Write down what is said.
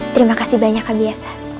terimakasih banyak abiasa